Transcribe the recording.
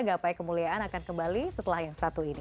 gapai kemuliaan akan kembali setelah yang satu ini